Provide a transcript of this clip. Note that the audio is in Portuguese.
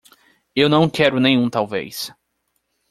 Eu não quero nenhum talvez.